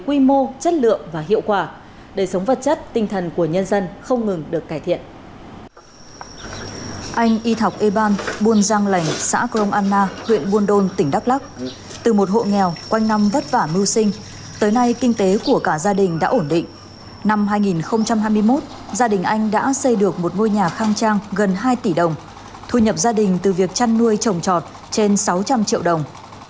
từ một hộ nghèo quanh năm vất vả mưu sinh tới nay kinh tế của cả gia đình đã ổn định năm hai nghìn hai mươi một gia đình anh đã xây được một ngôi nhà khang trang gần hai tỷ đồng thu nhập gia đình từ việc chăn nuôi trồng trọt trên sáu trăm linh triệu đồng